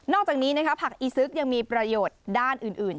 อกจากนี้ผักอีซึกยังมีประโยชน์ด้านอื่น